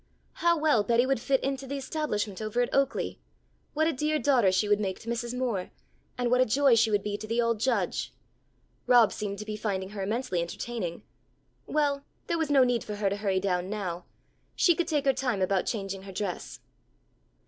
How well Betty would fit into the establishment over at Oaklea. What a dear daughter she would make to Mrs. Moore, and what a joy she would be to the old Judge! Rob seemed to be finding her immensely entertaining. Well, there was no need for her to hurry down now. She could take her time about changing her dress.